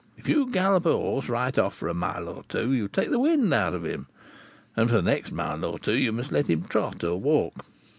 If you gallop a horse right off for a mile or two, you take the wind out of him, and for the next mile or two you must let him trot or walk.